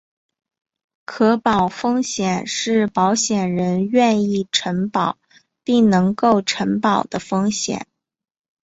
可保风险是保险人愿意承保并能够承保的风险。